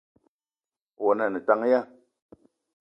Owono a ne tank ya ?